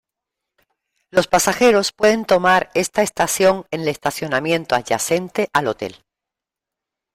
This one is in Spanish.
Los pasajeros pueden tomar esta estación en el estacionamiento adyacente al hotel.